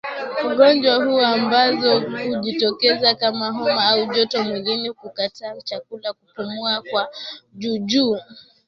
ugonjwa huu ambazo hujitokeza kama homa au joto mwilini kukataa chakula kupumua kwa juujuu